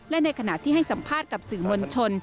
และในขณะที่ให้สัมภาษณ์กับสื่อมวลชน